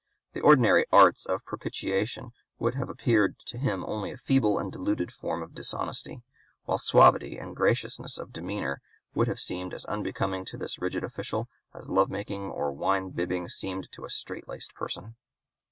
The ordinary arts of propitiation would have appeared to him only a feeble and diluted form of dishonesty; while suavity and graciousness of (p. 203) demeanor would have seemed as unbecoming to this rigid official as love making or wine bibbing seem to a strait laced parson.